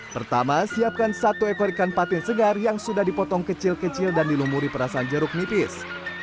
pertama siapkan satu ekor ikan patin segar yang sudah dipotong kecil kecil dan dilumuri perasaan jeruk nipis